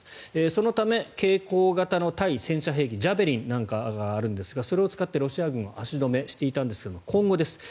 そのため携行型の対戦車兵器ジャベリンなんかがあるんですがそれを使って、ロシア軍を足止めしていたんですが今後です。